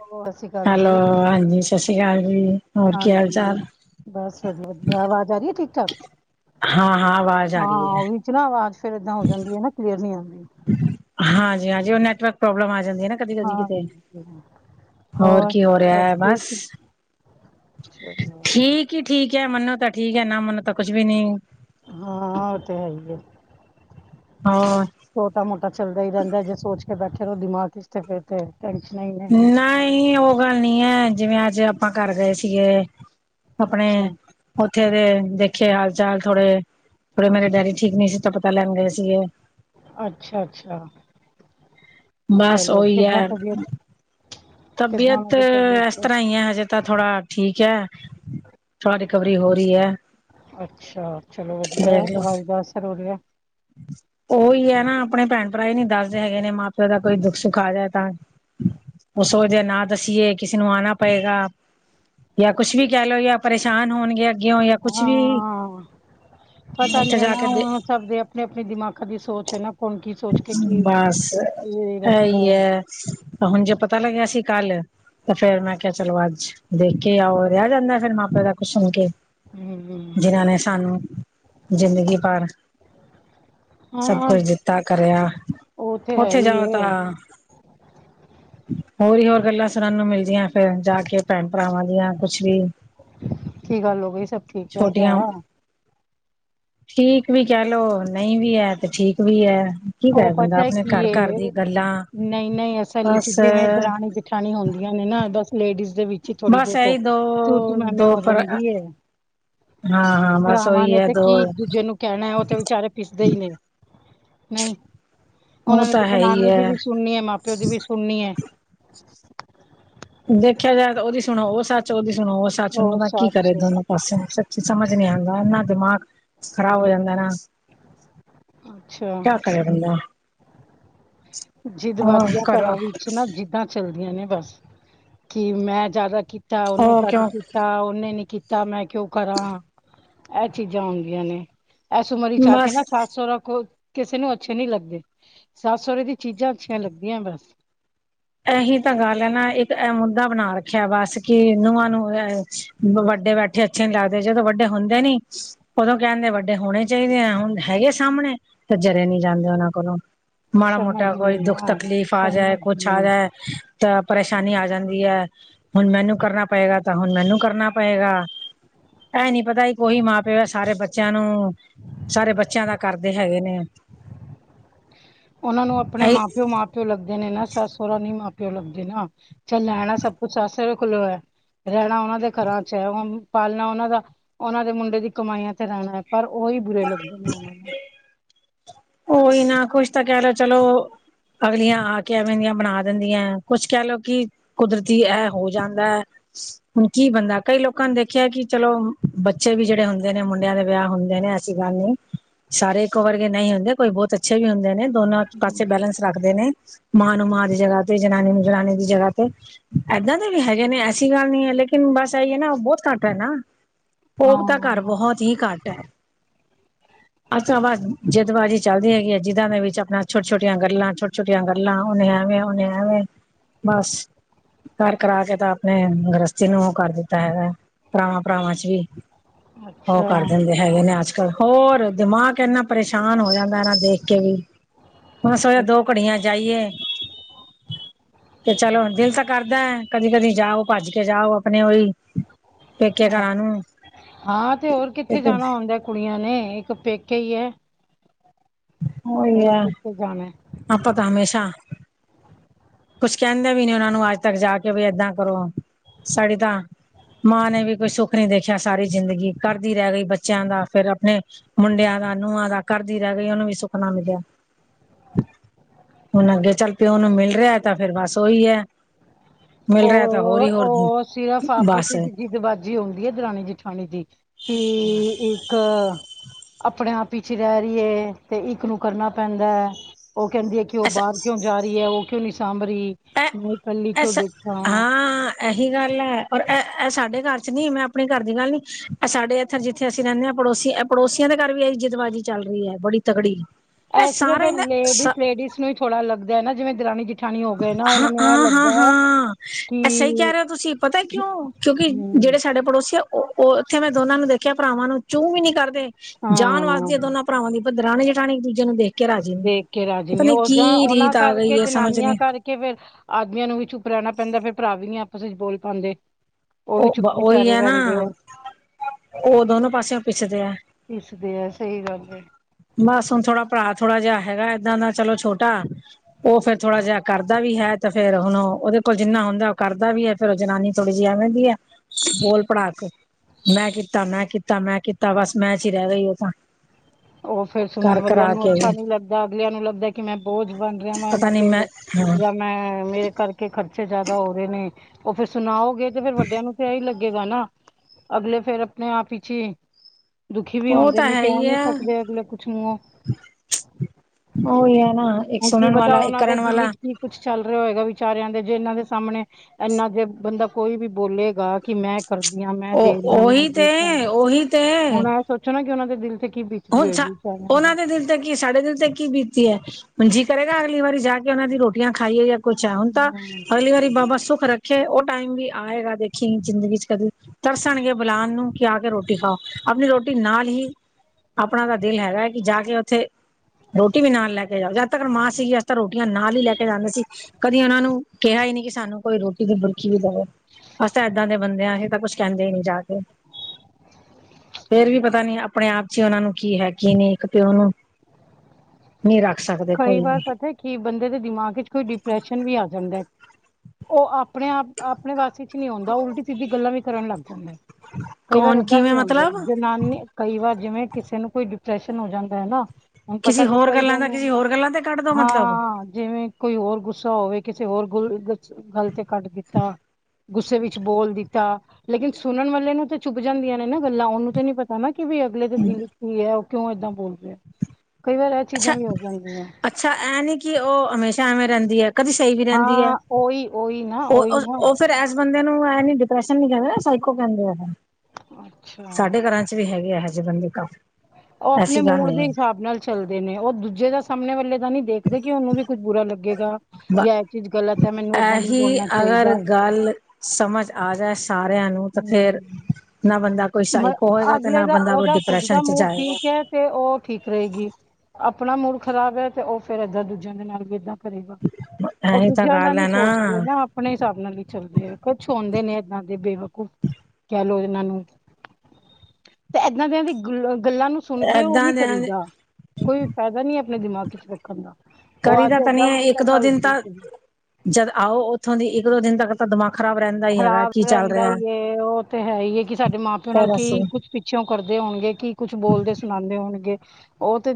ਹੋਰ, ਸਤਿ ਸ਼੍ਰੀ ਅਕਾਲ ਹੈਲੋ, ਜੀ ਹਾਂਜੀ ਸਸ ਸ੍ਰੀ ਕਾਲ ਜੀ। ਹੋਰ ਕੀ ਹਾਲ ਹਾਂਜੀ ਚਾਲ? ਬਸ ਵਧੀਆ-ਵਧੀਆ। ਆਵਾਜ਼ ਆ ਰਈ ਐ ਠੀਕ-ਠਾਕ। ਹਾਂ-ਹਾਂ ਆਵਾਜ਼ ਆ ਰੀ ਏ। ਚ ਨਾ ਆਵਾਜ਼ ਫਿਰ ਏਦਾਂ ਹੋ ਜਾਂਦੀ ਏ ਨਾ ਕਲੀਅਰ ਨੀ ਹੁੰਦੀ। ਹਾਂਜੀ-ਹਾਂਜੀ ਓ ਨੈਟਵਰਕ ਪ੍ਰੋਬਲਮ ਆ ਜਾਂਦੀ ਏ ਨਾ। ਕਦੀ-ਕਦੀ ਕਿਤੇ। ਹਾਂਜੀ ਹੋਰ ਕੀ ਹੋ ਸਭ ਰਿਐ? ਬਸ। ਠੀਕ ਚਲੋ। ਠੀਕ ਈ ਠੀਕ ਐ। ਮੰਨੋ ਤਾਂ ਠੀਕ ਐ ਨਾ ਮੰਨੋਂ ਤਾਂ ਕੁੱਛ ਵੀ ਨੀ। ਹਾਂ ਓ ਤੇ ਹੈ ਈ ਏ। ਹਾਂ। ਛੋਟਾ ਮੋਟਾ ਚੱਲਦਾ ਈ ਰੈਂਦੈ, ਜੇ ਸੋਚ ਕੇ ਬੈਠੇ ਰੋ ਦਿਮਾਗ ਇੱਚ ਤੇ ਫੇਰ ਤੇ ਟੈਨਸ਼ਨਾ ਈ ਨਈ ਓ ਗੱਲ ਨੀ ਐ ਜਿਵੇਂ ਅੱਜ ਆਪਾਂ ਘਰ ਗਏ ਸੀਗੇ ਆਪਣੇ ਅੱਛਾ ਓਥੇ ਦੇ ਦੇਖੇ ਹਾਲ ਚਾਲ ਥੋੜੇ। ਥੋੜੇ ਮੇਰੇ ਡੈਡੀ ਠੀਕ ਨੀ ਸੀ ਤਾਂ ਪਤਾ ਲੈਣ ਗਏ ਸੀਗੇ। ਅੱਛਾ-ਅੱਛਾ। ਬਸ ਓਈ ਐ। ਤਬੀਅਤ ਕਿੱਦਾਂ ਉਹਨਾਂ ਤਬੀਅਤ ਦੀ ਇਸ ਤਰ੍ਹਾਂ ਤਬੀਅਤ ਈ ਐ ਹਜੇ ਤਾਂ ਥੋੜਾ ਠੀਕ ਐ। ਥੋੜੀ ਰਿਕਵਰੀ ਹੋ ਰਈ ਐ। ਅੱਛਾ ਚਲੋ ਵਧੀਆ ਦਵਾਈ ਦਾ ਅਸਰ ਹੋ ਰਿਆ। [inaudible] ਓਈ ਐ ਨਾ ਆਪਣੇ ਭੈਣ ਭਰਾ ਈ ਨੀ ਦੱਸਦੇ ਹੈਗੇ ਨੇ ਮਾਂ ਪਿਓ ਦਾ ਕੋਈ ਦੁੱਖ ਸੁੱਖ ਆ ਜਾਏ ਤਾਂ ਓ ਸੋਚਦੇ ਨਾਂ ਦੱਸੀਏ ਕਿਸੇ ਨੂੰ ਆਣਾ ਪਏਗਾ। ਜਾਂ ਕੁਛ ਵੀ ਕਹਿ ਲਓ ਜਾਂ ਪਰੇਸ਼ਾਨ ਹੋਨਗੀਆ। ਹਾਂ ਪਤਾ ਉੱਥੇ ਨੀ ਐ ਜਾ ਕੇ ਨਾ ਦੇ ਹੁਨ ਸਭ ਦੇ ਆਪਨੇ-ਅਪਨੇ ਦਿਮਾਗਾਂ ਦੀ ਸੋਚ ਏ ਨਾ ਕੌਣ ਕੀ ਸੋਚ ਕੇ ਕੀ ਬਸ ਰੱਖਦਾ। ਇਹੀ ਹੈ ਹੁਣ ਜੇ ਪਤਾ ਲੱਗਿਆ ਸੀ ਕਾਲ ਤੇ ਫੇਰ ਮੈਂ ਕਿਆ ਚਲੋ ਅੱਜ ਦੇਖ ਕੇ ਆਓ ਰੇਆ ਜਾਂਦਾ ਫਿਰ ਮਾਪੇ ਦਾ ਕੁਛ ਸੁਣ ਕੇ ਹਮ ਜਿਨਾਂ ਨੇ ਸਾਨੂੰ ਜ਼ਿੰਦਗੀ ਭਰ ਸਭ ਹਾਂ ਕੁਛ ਦਿੱਤਾ ਕਰਿਆ ਉਹ ਤੇ ਹੈ ਓਥੇ ਜਾ ਹੀ ਹੈ ਤਾਅ ਹੋਰੀ-ਹੋਰ ਗੱਲਾਂ ਸੁਣਨ ਨੂੰ ਮਿਲਦੀਆਂ ਫਿਰ ਜਾ ਕੇ ਭੈਣ ਭਰਾਵਾਂ ਦੀਆਂ ਕੁਛ ਵੀ ਕੀ ਗੱਲ ਹੋ ਗਈ ਸਭ ਠੀਕ ਐ ਛੋਟੀਆਂ ਭਰਾ? ਠੀਕ ਵੀ ਕਹਿ ਲੋੋ ਨਈ ਵੀ ਐ ਤੇ ਠੀਕ ਵੀ ਐ। ਓ ਪਤਾ ਏ ਕਿ ਏ ਨਈ, ਨਈ ਅਸਲ ਵਿਚ ਬਸ ਜਿਵੇਂ ਦਰਾਨੀ ਜ ਜੇਠਾਣੀ ਹੁੰਦੀਆਂ ਨੇ ਨਾ ਬਸ ਲੇਡੀਜ਼ ਦੇ ਵਿੱਚ ਅੀ ਥੋੜੀ ਬਸ ਬੋਹਤ ਇਹੀ ਦੋ ਤੂੰ-ਤੂੰ, ਮੈਂ-ਮੈਂ ਹੋ ਜਾਂਦੀ ਏ। ਹਾਂ-ਹਾਂ। ਭਰਾਵਾਂ ਨੇ ਤੇ ਕੀ ਇੱਕ ਦੂਜੇ ਨੂੰ ਕੈਣਾ ਓ ਤੇ ਵਿਚਾਰੇ ਪਿਸਦੇ ਈ ਨੇ। ਨਈ ਉਹ ਓਨਾਂ ਨੇ ਤੇ ਤਾਂ ਹੈ ਹੀ ਜਨਾਨੀ ਦੀ ਹੈ ਵੀ ਸੁਣਨੀ ਏ ਮਾਂ ਪਿਓ ਦੀ ਵੀ ਸੁਣਨੀ ਏ। ਦੇਖਿਆ ਜਾਏ ਤਾਂ ਓਦੀ ਸੁਣੋ ਓ ਸੱਚ ਓਦੀ ਸੁਣੋ ਉਹ ਸੱਚ ਬੰਦਾ ਕੀ ਕਰੇ ਦੋਨੋ ਬਸ ਸੱਚੀ ਸਮਝ ਨੀ ਆਦਾ ਏਨਾ ਦਿਮਾਗ ਖਰਾਬ ਹੋ ਜਾਂਦਾ ਨਾ। ਅੱਛਾ। [inaudible] ਉਹ ਜਿੱਦਬਾਜ਼ੀਆਂ ਕਰੋ ਘਰਾਂ ਵਿੱਚ ਨਾ ਜਿੱਦਾਂ ਚੱਲਦੀਆਂ ਨੇ ਬਸ ਕਿ ਮੈਂ ਜ਼ਿਆਦਾ ਕੀਤਾ ਓਨੇ ਉਹ ਘੱਟ ਕਿਉਂ ਕੀਤਾ ਓਨੇ ਨੀ ਕੀ ਤਾਂ ਮੈਂ ਕਿਉ ਕਰਾਂ ਐ ਚੀਜ਼ਾਂ ਹੁੰਦੀਆਂ ਨੇ। ਐਸ ਉਮਰ ਚ ਆ ਕੇ ਨਾ ਬਸ ਸੱਸ ਸੌਰਾ ਕੋ ਕਿਸੇ ਨੂੰ ਅੱਛੇ ਨੀ ਲੱਗਦੇ ਸੱਸ ਸੌਰੇ ਦੀ ਚੀਜ਼ਾਂ ਅੱਛੀਆਂ ਲੱਗਦੀਆਂ ਬਸ। ਐਹੀ ਤਾਂ ਗੱਲ ਐ ਨਾ ਇੱਕ ਇਹ ਮੁੱਦਾ ਬਣਾ ਰੱਖਿਆ ਬਸ ਕਿ ਨੂੰਆ ਨੂੰ ਵੱਡੇ ਬੈਠੇ ਅੱਛੇ ਨੀ ਲੱਗਦੇ ਜਦੋਂ ਵੱਡੇ ਹੁੰਦੇ ਨੀ ਉਦੋਂ ਕਹਿੰਦੇ ਵੱਡੇ ਹੋਣੇ ਚਾਹੀਦੇ ਆ। ਹੁਣ ਹੈਗੇ ਸਾਹਮਣੇ ਤੇ ਜਰੇ ਨੀ ਜਾਂਦੇ ਓਨਾਂ ਕੋਲੋਂ ਮਾੜਾ ਸਮਝ ਮੋਟਾ ਕੋਈ ਨੀ ਦੁੱਖ ਨਾ ਤਕਲੀਫ਼ ਆ ਜਾਏ ਸਮਝ ਕੁਛ ਆ ਨੀ ਜਾਏ ਤਾਂ ਪਰੇਸ਼ਾਨੀ ਆ ਜਾਂਦੀ ਆ। ਹੁਣ ਮੈਨੂੰ ਕਰਨਾ ਪਏਗਾ। ਤਾਂ ਹੁਣ ਮੈਨੂੰ ਕਰਨਾ ਪਏਗਾ। ਐ ਨੀ ਪਤਾ ਹੀ ਕੋਹੀ ਮਾਂ ਪਿਓ ਐ ਸਾਰੇ ਬੱਚਿਆਂ ਨੂੰ ਸਾਰੇ ਬੱਚਿਆਂ ਦਾ ਕਰਦੇ ਹੈਗੇ ਨੇ ਓਨਾਂ ਨੂੰ ਆਪਣੇ ਮਾਂ ਪਿਓ ਮਾਂ ਪਿ ਪਿਓ ਲੱਗਦੇ ਨੇ ਨਾ ਸੱਸ ਸੋਹਰਾ ਨੀ ਮਾਂ ਪਿਓ ਲੱਗਦੇ ਨਾ ਚੱਲ ਲੈਣਾ ਸਭ ਕੁੱਛ ਸੱਸ ਸਹਰੇ ਕੋਲੋਂ ਐ ਰਹਿਣਾ ਓਨਾਂ ਦੇ ਘਰਾਂ ਚ ਐ ਓ ਪਾਲਣਾ ਓਨਾਂ ਦਾ ਓਨਾਂ ਦੇ ਮੁੰਡੇ ਦੀ ਕਮਾਈਆਂ ਤੇ ਰਹਿਣਾ। ਪਰ ਓਈ ਬੁਰੇ ਲੱਗਦੇ ਨੇ ਓਨਾਂ ਨੂੰ। ਓਹੀ ਨਾ ਕੁਛ ਤਾਂ ਕਹਿ ਲ ਚਲੋ ਅਗਲੀਆਂ ਆ ਕੇ ਐਵੇਂ ਦੀਆਂ ਬਣਾ ਦਿੰਦੀਆਂ। ਕੁੱਛ ਕਹਿ ਲਓ ਕਿ ਕੁਦਰਤ ਕਿ ਇਹ ਹੋ ਜਾਂਦਾ ਹੈ। ਹੁਣ ਕੀ ਬੰਦਾ ਕਈ ਲੋਕਾਂ ਨੇ ਦੇਖਿਆ ਕਿ ਚਲੋ, ਬੱਚੇ ਵੀ ਜਿਹੜੇ ਹੁੰਦੇ ਨੇ ਮੁੰਡਿਆਂ ਦੇ ਵਿਆਹ ਹੁੰਦੇ ਨੇ। ਅਛੀ ਗੱਲ ਏ। ਸਾਰੇ ਇੱਕੋ ਵਰਗੇ ਨਹੀਂ ਹੁੰਦੇ ਕੋਈ ਬਹੁਤ ਅੱਛੇ ਵੀ ਹੁੰਦੇ ਨੇ ਦੋਨਾਂ ਪਾਸੇ ਬੈਲੈਂਸ ਰੱਖ ਕਹਿਂਦੇ ਨੇ, ਮਾਂ ਨੂੰ ਮਾਂ ਦੀ ਜਗ੍ਹਾ ਤੇ, ਜਨਾਨੀ ਨੂੰ ਜਨਾਨੀ ਦੀ ਜਗ੍ਹਾ ਤੇ ਏਦਾਂ ਦੇ ਵੀ ਹੈਗੇ ਨੇ ਐਸੀ ਗੱਲ ਨੀ ਹੈ, ਲੇਕਿਨ ਬਸ ਇਹੀ ਹੈ ਨਾ, ਬਹੁਤ ਘੱਟ ਹੈ ਨਾ। ਉਹ ਤਾਂ ਘਰ ਹਾਂ ਬਹੁਤ ਹੀ ਘੱਟ ਹੈ। ਅੱਛਾ ਬਸ, ਜਿੱਦਬਾਜ਼ੀ ਚੱਲਦੀਆਂ ਹੈਗੀਆਂ, ਜਿਦਾਂ ਦੇ ਵਿੱਚ ਆਪਣਾ ਛੋਟੀਆਂ- ਛੋਟੀਆਂ ਗੱਲਾਂ, ਛੋਟੀਆਂ- ਛੋਟੀਆਂ ਗੱਲਾਂ, ਉਹਨੇ ਐਵੇਂ, ਉਹਨੇ ਐਵੇਂ। ਬਸ। ਕਰ- ਕਰਾ ਕੇ ਤਾਂ ਆਪਣੇ, ਗ੍ਰਸਥਤੀ ਨੂੰ ਉਹ ਕਰ ਦਿੱਤਾ ਹੈਗਾ। ਭਰਾਵਾਂ- ਭਰਾਵਾਂ ਚ' ਵੀ ਉਹ ਅੱਛਾ ਕਰ ਦਿੰਦੇ ਹੈਗੇ ਨੇ ਅੱਜ ਕੱਲ੍ਹ, ਹੋਰ ਦਿਮਾਗ ਇੰਨਾ ਪਰੇਸ਼ਾਨ ਹੋ ਜਾਂਦਾ। ਸਾਰਾ ਦੇਖ ਕੇ ਵੀ, ਬੱਸ ਓਹੀ ਦੋ ਘੜੀਆਂ ਜਾਈਏ। ਤੇ ਚਲੋ, ਦਿਲ ਤਾ ਕਰਦਾ, ਕਦੀ- ਕਦੀ ਜਾਓ, ਭੱਜ ਕੇ ਜਾਓ, ਆਪਣੇ ਉਹੀ ਪੇਕੇ ਘਰਾਂ ਨੂੰ ਹਾਂ, ਤੇ ਹੋਰ ਕਿੱਥੇ ਜਾਣਾ ਹੁੰਦਾ। ਕੁੜੀਆਂ ਨੇ, ਇੱਕ ਪੇਕੇ ਹੀ ਹੈ। ਉਹੀ ਹੋਰ ਆ, ਕਿੱਥੇ ਜਾਣਾ ਆਪਾਂ ਤਾਂ ਹਮੇਸ਼ਾ ਕੁਛ ਕਹਿੰਦੇ ਵੀ ਨੀ ਉਹਨਾਂ ਨੂੰ ਅੱਜ ਤੱਕ ਜਾ ਕੇ ਵੀ ਏਦਾਂ ਕਰੋਂ। ਸਾਡੀ ਤਾਂ ਮਾਂ ਨੇ ਵੀ ਕੋਈ ਸੁੱਖ ਨੀ ਦੇਖਿਆ ਸਾਰੀ ਜ਼ਿੰਦਗੀ। ਕਰਦੀ ਰਹਿ ਗਈ ਬੱਚਿਆਂ ਦਾ, ਫੇਰ ਆਪਣੇ ਮੁੰਡਿਆਂ ਦਾ, ਨੂਆਂ ਦਾ ਕਰਦੀ ਰਹਿ ਗਈ, ਉਹਨੂੰ ਵੀ ਸੁਖ ਨਾ ਮਿਲਿਆ। ਹੁਣ ਅੱਗੇ ਚੱਲ ਪਿਓ ਨੂੰ ਮਿਲ ਰਿਹਾ, ਤਾਂ ਫੇਰ ਬਸ ਉਹੀ ਹੈ। ਮਿਲ ਰਿਹਾ ਤਾਂ ਹੋਰ ਉਹ ਹੀ ਹੋਰ, ਬਸ। ਜੀ ਉਂਦੀ ਏ ਦਰਾਣੀ- ਜੇਠਾਣੀ ਦੀ, ਕਿ ਇੱਕ ਆਪਣੇ ਆਪ ਪਿੱਛੇ ਹੀ ਰਹਿ ਰਹੀ ਏ, ਤੇ ਇੱਕ ਨੂੰ ਕਰਨਾ ਪੈਂਦਾ ਹੈ। ਉਹ ਕਹਿੰਦੀ ਹੈ, ਕਿ ਉਹ ਅੱਛਾ ਬਾਹਰ ਕਿਉਂ ਜਾ ਰਹੀ ਏ, ਉਹ ਕਿਉਂ ਨੀ ਸਾਂਭ ਰਹੀ, ਮੈਂ ਇਕੱਲੀ ਕਿਉਂ ਇਹ ਦੇਖ ਹਾਂ। ਇਹੀ ਗੱਲ ਹੈ, ਪਰ ਇਹ, ਇਹ ਸਾਡੇ ਘਰ ਚ' ਨੀ, ਮੈਂ ਆਪਣੇ ਘਰ ਦੀ ਗੱਲ ਨੀ ਅ ਸਾਡੇ ਇੱਥੇ, ਜਿੱਥੇ ਅਸੀਂ ਰਹਿਨੇ ਆਂ, ਪੜੋਸੀ, ਇਹ ਪੜੋਸੀਆਂ ਦੇ ਘਰ ਵੀ ਇਹੀ ਜਿੱਦਬਾਜੀ ਚੱਲ ਰਹੀ ਹੈ, ਬੜੀ ਤਗੜੀ। ਇਹ ਸਿਰਫ ਸਾਰਿਆਂ ਦਾ ਲੇਡੀਜ਼, ਲੇਡੀਜ਼ ਨੂ ਈ ਥੋੜਾ ਲੱਗਦਾ ਹੈ ਨਾ, ਜਿਵੇ ਦਰਾਣੀ ਜੇ ਹਾਂ, ਹਾਂ, ਹਾਂ, ਹਾਂ, ਐ ਸਹੀ ਕਹਿ ਕਿ ਰਿਉ ਤੁਸੀਂ! ਪਤਾ ਕਿਉਂ? ਕਿਉਂਕਿ, ਹਮ ਜਿਹੜੇ ਸਾਡੇ ਪੜੋਸੀ ਉਹ, ਓ ਉੱਥੇ ਮੈਂ ਦੋਨਾਂ ਨੂੰ ਦੇਖਿਆ ਭਰਾਵਾਂ ਨੂੰ, ਚੂ ਵੀ ਨੀ ਕਰਦੇ, ਜਾਣ ਵਾਸਦੀ ਹਾਂ ਦੋਨਾਂ ਭਰਾਵਾਂ ਦੀ, ਦਰਾਣੀ- ਜਠਾਣੀ ਇੱਕ ਦੂਜੇ ਨੂੰ ਦੇਖ ਕੇ ਰਾਜੀ ਨੀ। ਦੇਖ ਕੇ ਰਾਜੀ ਪਤਾ ਨਹੀਂ ਨੀ ਕੀ ਰੀਤ ਆ ਗਈ ਹੈ, ਸਮਝ ਨੀ। ਕੇ ਫੇਰ ਆਦਮੀਆਂ ਨੂੰ ਵੀ ਚੁੱਪ ਰਹਿਣਾ ਪੈਂਦਾ, ਫੇਰ ਭਰਾ ਵੀ ਨੀ ਆਪਸ ਵਿੱਚ ਬੋਲ ਪਾਉਂਦੇ। ਵੀ ਚੁੱਪ ਉਹ, ਉਹੀ ਵਿਚਾਰੇ ਹੈ ਨਾ ਰਹਿੰਦੇ ਆ ਉਹ ਦੋਨੋ ਪਾਸੇਓ ਪਿਸਦੇ ਹੈ। ਪਿਸਦੇ ਆ ਸਹੀ ਗੱਲ ਹੈ ਬਸ, ਹੁਣ ਥੋੜਾ ਭਰਾ ਥੋੜਾ ਜਿਹਾ ਹੈਗਾ ਏਦਾਂ ਦਾ ਚਲੋ ਛੋਟਾ। ਉਹ ਫੇਰ ਥੋੜਾ ਜਿਹਾ ਕਰਦਾ ਵੀ ਹੈ, ਤੇ ਫੇਰ ਹੁਣ ਉਹ, ਉਹਦੇ ਕੋਲ ਜਿੰਨਾ ਹੁੰਦਾ ਉਹ ਕਰਦਾ ਵੀ ਹੈ, ਫੇਰ ਉਹ ਜਨਾਨੀ ਥੋੜੀ ਜਿਹੀ ਐਵੇਂ ਵਧੀਆ। ਬੋਲ ਪੜਾ ਕੇ ਮੈਂ ਕੀਤਾ, ਮੈਂ ਕੀਤਾ, ਮੈਂ ਕੀਤਾ, ਬਸ ਮੈਂ ਚ' ਹੀ ਰਹਿ ਗਈ ਉਹ ਤਾਂ। ਉਹ ਫੇਰ ਸੁਣਨ ਕਰ ਵਾਲਿਆਂ ਕਰਾ ਨੂੰ ਕੇ ਅੱਛਾ ਵੀ ਨੀ ਲੱਗਦਾ, ਅਗਲਿਆਂ ਨੂੰ ਲੱਗਦਾ ਕਿ ਮੈਂ ਬੋਝ ਬਣ ਰਿਹਾ ਵਾਂ ਇਹਨਾਂ ਪਤਾ ਨੀ ਤੇ। ਮੈਂ ਹਾਂ। ਜਾਂ ਮੈਂ, ਮੇਰੇ ਕਰਕੇ ਖਰਚੇ ਜਾਦਾ ਹੋ ਰਹੇ ਨੇ, ਉਹ ਫੇਰ ਸੁਣਾਓਗੇ ਤੇ ਫੇਰ ਵੱਡਿਆਂ ਨੂੰ ਤੇ ਐਹੀ ਲੱਗੇ ਲੱਗੇਗਾ ਨਾ। ਅਗਲੇ ਫੇਰ ਅਪਣੇ ਆਪ ਹੀਚੀ ਦੁਖੀ ਵੀ ਉਹ ਹੁੰਦੇ ਤਾਂ ਨੇ ਕੇ ਨੀ ਹੈ ਸਕਦੇ ਅਗਲੇ ਕੁਛ ਨੀ ਹੈ। ਉਹ ਹੀ ਹੈ ਨਾ, ਇੱਕ ਹੁਣ ਕੀ ਸੋਨਣ ਪਤਾ ਵਾਲਾ, ਇੱਕ ਉਹਨਾਂ ਦੇ ਕਰਣ ਦਿਲ ਵਾਲਾ। ਚ ਕੀ ਕੁਛ ਚੱਲ ਰਿਹਾ ਹੋਏਗਾ ਵਿਚਾਰਿਆਂ ਦੇ, ਜੇ ਇਹਨਾਂ ਦੇ ਸਾਹਮਣੇ, ਇਨਾ ਕੇ ਬੰਦਾ ਕੋਈ ਵੀ ਬੋਲੇਗਾ। ਕਿ ਮੈਂ ਕਰਦੀ ਆ, ਮੈਂ ਦੇ ਉਹ ਰਹੀ ਆ, ਮੈਂ ਉਹੀ ਦੇ ਤੇ ਕੇ ਆਈ ਆ, ਉਹੀ ਤੇ ਹੁਣ ਇਹ ਸੋਚੋ ਨਾ ਕਿ ਉਹਨਾਂ ਦੇ ਦਿਲ ਤੇ ਕੀ ਬੀ ਹੁਣ ਛ, ਉਹਨਾਂ ਦੇ ਦਿਲ ਤੇ ਕੀ ਸਾਡੇ ਦਿਲ ਤੇ ਕੀ ਬੀਤੀ ਐ, ਹੁਣ ਜੀ ਕਰੇਗਾ, ਅਗਲੀ ਵਾਰੀ ਜਾ ਕੇ ਉਹਨਾਂ ਦੀ ਰੋਟੀਆਂ ਖਾਈਏ ਯਾ ਕੁਛ ਆ, ਹੁਣ ਤਾਂ ਹਮ ਅਗਲੀ ਵਾਰੀ ਬਾਬਾ ਸੁੱਖ ਰੱਖੇ ਉਹ ਟਾਈਮ ਵੀ ਆਏਗਾ ਦੇਖੀਂ, ਜ਼ਿੰਦਗੀ 'ਚ ਕਦੀ। ਤਰਸਣਗੇ ਬਲਾਨ ਨੂੰ ਕਿ ਆ ਕੇ ਰੋਟੀ ਖਾਓ, ਆਪਣੀ ਰੋਟੀ ਨਾਲ ਹੀ ਆਪਣਾ ਤਾ ਦਿਲ ਹੈਗਾ ਏ ਕਿ, ਜਾ ਕੇ ਉੱਥੇ ਰੋਟੀ ਵੀ ਨਾਲ ਲੈ ਕੇ ਜਾਓ, ਜਦ ਤੱਕ ਮਾਂ ਸੀਗੀ ਅਸੀਂ ਤਾਂ ਰੋਟੀਆਂ ਨਾਲ ਈ ਲੈ ਕੇ ਜਾਂਦੇ ਸੀ। ਕਦੀ ਉਹਨਾਂ ਨੂੰ ਕਿਹਾ ਈ ਨੀ ਕਿ, ਸਾਨੂੰ ਕੋਈ ਰੋਟੀ ਦੀ ਬੁਰਖੀ ਵੀ ਦਵੇ। ਅਸ ਤਾਂ ਏਦਾਂ ਦੇ ਬੰਦੇ ਆ, ਅਹੀ ਤਾਂ ਕੁਛ ਕਹਿੰਦੇ ਈ ਨੀ ਜਾ ਕੇ। ਫੇਰ ਵੀ ਪਤਾ ਨੀ ਆਪਣੇਂ ਆਪ ਕੀ ਉਹਨਾ ਨੂੰ ਕੀ ਹੈ ਕੀ ਨਹੀਂ, ਇੱਕ ਪਿਓ ਨੂੰ ਨੀ ਰੱਖ ਸਕਦੇ ਕਈ ਕੋਈ ਵਾਰ ਵੀ ਪਤਾ ਕਿ, ਬੰਦੇ ਦੇ ਦਿਮਾਗ ਵਿੱਚ ਕੋਈ ਡਿਪ੍ਰੈਸ਼ਨ ਵੀ ਆ ਜਾਂਦਾ ਐ। ਉਹ ਆਪਣੇ ਆਪ, ਆਪਣੇ ਵਸ 'ਚ ਨੀ ਆਉਂਦਾ, ਉਲਟੀ ਸਿੱਧੀ ਗੱਲਾਂ ਵੀ ਕਰਨ ਲੱਗ ਜਾਂਦਾ ਏ। ਕਈ ਵਾਰ ਕੌਣ ਏਦਾਂ ਕਿਵੇਂ ਵੀ ਹੁੰਦੇ, ਮਤਲਬ ਜਨਾਨੀ ਕਈ ਵਾਰ ਜਿਵੇਂ ਕਿਸੇ ਨੂੰ ਕੋਈ ਡਿਪ੍ਰੈਸ਼ਨ ਹੋ ਜਾਂਦਾ ਐ ਨਾ, ਹੁਣ ਕਿਸੇ ਪਤਾ ਤੇ ਹੋਰ ਚੱਲ ਗੱਲਾਂ ਦਾ ਜਾਂਦਾ ਕਿਸੇ ਹੋਰ ਗੱਲਾਂ ਤੇ ਕੱਢ ਦੋ ਮਤਲਬ ਹਾਂ। ਜਿਵੇਂ ਕੋਈ ਹੋਰ ਗੁੱਸਾ ਹੋਵੇ, ਕਿਸੇ ਹੋਰ ਗੁਲ ਗੱਲ ਤੇ ਕੱਡ ਦਿੱਤਾ। ਗੁੱਸੇ ਵਿੱਚ ਬੋਲ ਦਿੱਤਾ, ਲੇਕਿਨ ਸੁਣਨ ਵਾਲੇ ਨੂੰ ਤੇ ਚੁੱਭ ਜਾਂਦੀਆਂ ਨੇ ਨਾ ਗੱਲਾਂ, ਉਹਨੂੰ ਤੇ ਨੀ ਪਤਾ ਨਾ ਕਿ ਵੀ ਅਗਲੇ ਦੇ ਦਿਲ 'ਚ ਕੀ ਐ। ਕਿਉਂ ਏਦਾਂ ਬੋਲਦੇ ਆ, ਕਈ ਵਾਰ ਚੀਜ਼ਾਂ ਵੀ ਹੋ ਜਾਂਦੀਆਂ ਅੱਛਾ-ਅੱਛਾ, ਏ ਨੀ ਕਿ ਉਹ ਹਮੇਸ਼ਾ ਐਵੇਂ ਰਹਿੰਦੀ ਐ। ਕਦੀ ਸਈ ਵੀ ਰਹਿੰਦੀ ਐ, ਹਾਂ ਉਹੀ ਉਹੀ ਨਾ ਓ, ਉਹੀ ਉਹ ਨਾ ਉਸ ਫਿਰ ਏਸ ਬੰਦੇ ਨੂੰ ਇਹ ਨੀ ਡਿਪ੍ਰੈਸ਼ਨ ਨੀ ਕਹਿੰਦੇ ਸਾਈਕੋ ਕਹਿੰਦੇ ਆ, ਅੱਛਾ। ਸਾਡੇ ਘਰਾਂ, ਚ ਵੀ ਹੈਗੇ ਐਹ ਜੇ ਬੰਦੇ ਕਾਫ ਉਹ ਆਪਣੇ ਮੂਡ ਦੇ ਹਿਸਾਬ ਨਾਲ ਚੱਲਦੇ ਨੇ, ਉਹ ਦੂਜੇ ਦਾ ਸਾਹਮਣੇ ਵਾਲੇ ਦਾ ਨੀ ਦੇਖਦੇ ਕਿ ਉਹਨੂੰ ਵੀ ਕੁੱਝ ਬੁਰਾ ਲੱਗੇਗਾ ਹੈ ਜਾਂ ਇਹ ਚੀਜ਼ ਗ਼ਲਤ ਐ, ਮੈਨੂੰ ਏਦਾਂ ਨੀ ਇਹੀ ਬੋਲਣਾ ਅਗਰ ਚਾਹੀਦਾ। ਗੱਲ ਸਮਝ ਆ ਜਾਏ ਸਾਰਿਆਂ ਨੂੰ ਤਾਂ ਫੇਰ, ਹੂੰ। ਨਾ ਬੰਦਾ ਕੋਈ ਮ ਸਾਈਕੋ ਹੋਵੇਗਾ ਤੇ ਅਗਲੇ ਨਾ ਦਾ ਬੰਦਾ ਕੋਈ ਉਹਦਾ ਖੁਦ ਡਿਪਰੈਸ਼ਨ ਦਾ 'ਚ ਮੂਡ ਜਾਏਗਾ। ਠੀਕ ਹੈ ਤੇ ਉਹ ਠੀਕ ਰਹੇਗੀ, ਆਪਣਾ ਮੂਡ ਖ਼ਰਾਬ ਐ ਤੇ ਉਹ ਫੇਰ ਏਦਾਂ ਦੂਜਿਆਂ ਦੇ ਨਾਲ ਵੀ ਏਦਾਂ ਕਰੇਗਾ, ਉਹ ਇਹੀ ਤਾਂ ਦੂਜਿਆਂ ਦਾ ਗੱਲ ਨੀ ਹੈ ਨਾ ਸੋਚਦੇ ਨਾ ਆਪਣੇ ਹਿਸਾਬ ਨਾਲ ਈ ਚੱਲਦੇ ਆ, ਕੁਛ ਹੁੰਦੇ ਨੇ ਏਦਾਂ ਦੇ ਬੇਵਕੂਫ, ਕਹਿ ਲੋ ਇਹਨਾਂ ਨੂੰ ਤੇ ਇਦਾਂ ਦੀਆਂ ਦੀ ਗ ਗੱਲਾਂ ਨੂੰ ਸੁਣ ਕੇ ਉਹ ਏਦਾਂ ਨੀ ਦੇ ਕਰੀਦਾ। ਕੋਈ ਫਾਇਦਾ ਨੀ ਆਪਣੇ ਦਿਮਾਗ 'ਚ ਰੱਖਣ ਦਾ ਉਹ ਕਰੀ ਦਾ ਅੱਜ ਤਾਂ ਨਹੀਂ ਏਦਾਂ ਏ, ਬੋਲਦਾ ਇੱਕ-ਦੋ ਕੱਲ ਦਿਨ ਠੀਕ ਤਾਂ ਹੈ। ਜਦ ਆਓ ਉੱਥੋਂ ਦੀ ਇੱਕ-ਦੋ ਦਿਨ ਤੱਕ ਤਾਂ ਦਿਮਾਗ ਖ਼ਰਾਬ ਰਹਿੰਦਾ ਹੀ ਹੈਗਾ ਖ਼ਰਾਬ ਕੀ ਤੇ ਚੱਲ ਐਂਦਾ ਰਿਹਾ ਈ ਏ, ਉਹ ਤੇ ਹੈ ਈ ਏ, ਕਿ ਸਾਡੇ ਮਾਂ-ਪਿਓ ਨਾਲ ਫੇਰ ਕੀ ਅਸੀਂ ਕੁੱਛ ਪਿੱਛੋਂ ਕਰਦੇ ਹੋਣਗੇ, ਕੀ ਕੁਛ ਬੋਲਦੇ-ਸੁਣਾਉਂਦੇ ਹੋਣਗੇ, ਉਹ ਤੇ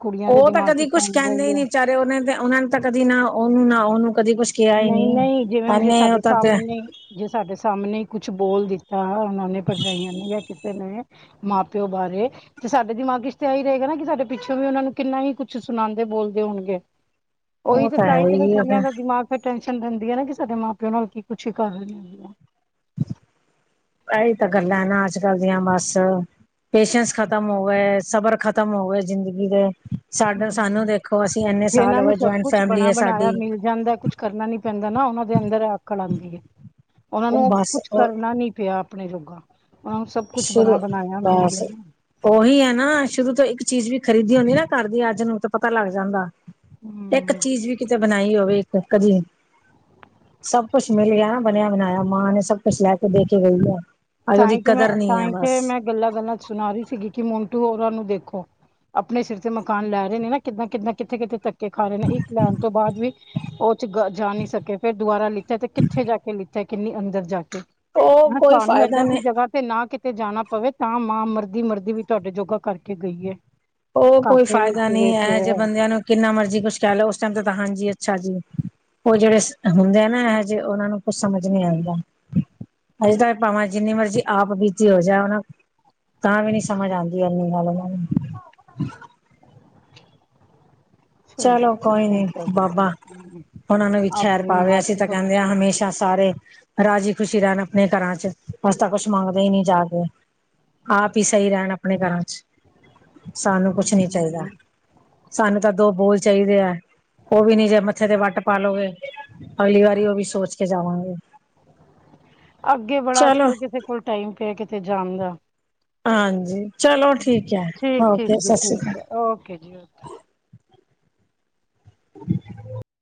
ਕੁੜੀਆਂ ਦੇ ਉਹ ਤਾਂ ਦਿਮਾਗ ਕਦੀ ਚ ਕੁਛ ਹੁੰਦਾ ਕਹਿੰਦੇ ਈ ਹੀ ਹੈ ਨੀ ਵਿਚਾਰੇ, ਉਨੇ ਤੇ ਉਹਨਾਂ ਨੂੰ ਤਾਂ ਕਦੀ ਨਾ ਉਹਨੂੰ, ਨਾ ਉਹਨੂੰ ਕਦੀ ਕੁਛ ਕਿਹਾ ਹੀ ਨੀ ਨ‌ਈਂ-ਨ‌ਈਂ ਜਿਵੇਂ ਹੁਣ ਜੇ ਐਨੇ ਉਹ ਸਾਡੇ ਤਾਂ ਤੇ ਸਾਮਣੇ ਜੇ ਸਾਡੇ ਸਾਹਮਣੇ ਕੁਛ ਬੋਲ ਦਿੱਤਾ ਉਹਨਾਂ ਨੇ, ਭਰਜਾਈਆਂ ਨੇ ਤੇ ਮੈਂ ਮਾਂ-ਪਿਓ ਬਾਰੇ ਤੇ ਸਾਡੇ ਦਿਮਾਗ 'ਚ ਤੇ ਐ ਈ ਰਹੇਗਾ ਨਾ ਕਿ ਸਾਡੇ ਪਿੱਛੋਂ ਵੀ ਉਹਨਾਂ ਨੂੰ, ਕਿੰਨਾ ਹੀ ਕੁੱਛ ਸੁਣਾਉਂਦੇ-ਬੋਲਦੇ ਹੋਣਗੇ। ਉਹੀ ਉਹ ਤੇ, ਤਾਂ ਹੈ ਈ ਤੇ ਫਿਰ ਹੀ ਕੁੜੀਆਂ ਦਾ ਦਿਮਾਗ ਫਿਰ ਟੈਸ਼ਨ ਰੈਂਦੀ ਐ ਨਾ ਕਿ ਸਾਡੇ ਮਾਂ-ਪਿਓ ਨਾਲ ਕੀ ਕੁਛ ਹੀ ਕਰ ਰਹੇ ਨੇ ਆ। ਇਹੀ ਤਾਂ ਗੱਲਾਂ ਨਾ ਅੱਜ-ਕੱਲ ਦੀਆਂ ਬਸ ਪੇਸ਼ੈਂਸ ਖਤਮ ਹੋ ਗਏ, ਸਬਰ ਖਤਮ ਹੋ ਗਏ ਜ਼ਿੰਦਗੀ ਦੇ ਸਾਡਾ ਸਾਨੂੰ ਹਮ ਦੇਖੋ, ਅਸੀਂ ਐਨੇ ਸਾਲ ਜਿਹਨਾਂ ਨੂੰ ਹੋਗੇ ਸਭ ਜੁਆਇੰਟ ਕੁਛ ਫੈਮਿਲੀ ਬਣਾ ਹੈ ਬਣਾਇਆ ਸਾਡੀ ਮਿਲ ਜਾਂਦਾ ਕੁਛ ਕਰਨਾ ਨੀ ਪੈਂਦਾ ਨਾ ਓਨਾਂ ਦੇ ਅੰਦਰ ਆਕੜ ਆਂਦੀ ਏ। ਓਨਾਂ ਉਹ ਨੂੰ ਬਸ ਕੁਛ ਉਹ ਕਰਨਾ ਨੀ ਪਿਆ ਆਪਣੇ ਜੋਗਾ ਓਨਾਂ ਨੂੰ ਸਭ ਕੁਛ ਬਣਾ ਸ਼ੁਰੂ ਬਣਾਇਆ ਮਿਲ ਬਸ ਗਿਆ। ਉਹੀ ਹੈ ਨਾ ਸ਼ੁਰੂ ਤੋਂ ਇੱਕ ਚੀਜ਼ ਵੀ ਖਰੀਦੀ ਹੁੰਦੀ ਨਾ ਕਰਦੀ ਅੱਜ ਨੂੰ ਤਾਂ ਪਤਾ ਲੱਗ ਜਾਂਦਾ। ਇੱਕ ਹਮ ਚੀਜ਼ ਵੀ ਕਿਤੇ ਬਣਾਈ ਹੋਵੇ ਕਦੀ ਨੀ ਸਭ ਕੁੱਛ ਮਿਲ ਗਿਆ ਨਾ ਬਣਿਆ ਬਣਾਇਆ ਮਾਂ ਨੇ ਸਭ ਕੁਛ ਲੈ ਕੇ ਦੇ ਕੇ ਗਈ ਆ ਅੱਜ ਓਦੀ ਕਦਰ ਨੀ ਐ ਬਸ ਗੱਲਾਂ-ਗੱਲਾਂ 'ਚ ਸੁਣਾ ਰਹੀ ਸੀਗੀ ਕਿ ਮਿੰਟੂ ਹੋਰਾਂ ਨੂੰ ਦੇਖੋ। ਆਪਣੇ ਸਿਰ ਤੇ ਮਕਾਨ ਲੈ ਰਏ ਨੇ ਨਾ ਕਿੱਦਾਂ-ਕਿੱਦਾਂ ਕਿੱਥੇ-ਕਿੱਥੇ ਧੱਕੇ ਖਾ ਰਹੇ ਨੇ ਇੱਕ ਲੈਣ ਤੋਂ ਬਾਅਦ ਵੀ ਓ'ਚ ਜਾ ਨੀ ਸਕੇ ਫਿਰ ਦੁਬਾਰਾ ਲਿੱਤਾ ਤੇ ਕਿੱਥੇ ਜਾ ਕੇ ਲਿੱਤਾ ਕਿੰਨੀ ਅੰਦਰ ਜਾ ਕੇ। ਉਹ ਹਾਂ ਕੋਈ ਸਾਨੂੰ ਫਾਇਦਾ ਨਹੀਂ ਜਗਾਂ ਤੇ ਨਾ ਕਿਤੇ ਜਾਣਾ ਪਵੇ ਤਾਂ ਮਾਂ ਮਰਦੀ ਮਰਦੀ ਵੀ ਤੁਹਾਡੇ ਜੋੋਗਾ ਕਰਕੇ ਗਈ ਹੈ। ਉਹ ਕੋਈ ਘਾਟੇ ਫਾਇਦਾ ਵਿੱਚ ਨੀ ਐ ਵਿੱਚ ਇਹੋ ਹੈ। ਜੇ ਬੰਦਿਆਂ ਨੂੰ ਕਿੰਨਾ ਮਰਜੀ ਕੁਛ ਕਹਿ ਲਓ ਉਸ ਟਾਈਮ ਤੇ ਤਾਂ ਹਾਂਜੀ ਅੱਛਾ ਜੀ। ਓ ਜੇੜੇ ਹੁੰਦੇ ਆ ਨਾ ਇਹੋ ਜਿਹੇ ਓਨਾ ਨੂੰ ਕੁਛ ਸਮਝ ਨੀ ਆਂਦਾ। ਅਜੇ ਤਾਂ ਭਾਵਾਂ ਜਿੰਨੀ ਮਰਜ਼ੀ ਆਪ ਬੀਤੀ ਹੋ ਜਾਉ ਨਾ। ਤਾਂ ਵੀ ਨੀ ਸਮਝ ਆਂਦੀ ਐਨੀ ਗੱਲ ਏਨਾਂ ਨੂੰ। ਹੂੰ। ਚਲੋ ਠੀਕ-ਠਾਕ ਚਲ ਰਏ ਆ। ਓਨਾਂ ਨੂੰ ਵੀ ਖੈਰ ਪਾਵੇ ਅਸੀਂ ਤਾਂ ਕੈਹਦੇ ਹਾਂ ਹਮੇਸ਼ਾ ਸਾਰੇ। ਰਾਜੀ ਖੁਸ਼ੀ ਰੈਣ ਆਪਣੇ ਘਰਾਂ 'ਚ ਅਸੀਂ ਤਾਂ ਕੁਛ ਮੰਗਦੇ ਈ ਨੀ ਜਾ ਕੇ। ਆਪ ਹੀ ਸਈ ਰੈਣ ਆਪਣੇ ਘਰਾਂ 'ਚ ਸਾਨੂੰ ਕੁਛ ਨੀ ਚਾਈਦਾ ਹਮ। ਸਾਨੂੰ ਤਾਂ ਦੋ ਬੋਲ ਚਾਈਦੇ ਆ ਓ ਵੀ ਨੀ ਜੇ ਮੱਥੇ ਤੇ ਵੱਟ ਪਾਲੋਗੇ ਅਗਲੀ ਵਾਰੀ ਓ ਵੀ ਸੋਚ ਕੇ ਜਾਵਾਂਗੇ। ਅੱਗੇ ਬੜਾ ਚਲੋ ਅੱਜਕੱਲ ਕਿਸੇ ਕੋਲ ਟਾਈਮ ਪਿਆ ਕਿਤੇ ਜਾਣ ਦਾ। ਹਾਂਜੀ, ਚਲੋ ਠੀਕ ਐ ਠੀਕ ਠੀਕ ਓਕੇ ਜੀ ਸਸ ਸ਼੍ਰੀ ਠੀਕ ਅਕਾਲ। ਹੈ ਓਕੇ ਜੀ